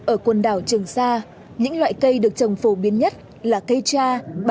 ở quần đảo trường sa những loại cây được trồng phổ biến nhất là cây cha bằng vuông và phong ba